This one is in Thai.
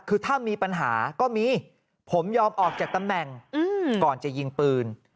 คือถ้ามีปัญหาก็มีผมยอมออกจากตำแหน่งก่อนจะยิงปืน